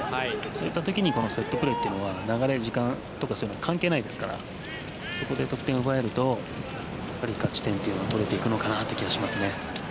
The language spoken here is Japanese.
そういった時にセットプレーは流れ、時間とか関係ないですからそこで得点を奪えると勝ち点が取れていく気がしますね。